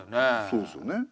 そうですよね。